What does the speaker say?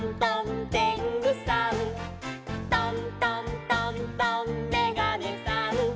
「トントントントンめがねさん」